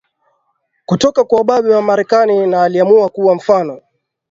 Kutoka kwa ubabe wa Marekani na Aliamua kuwa mfano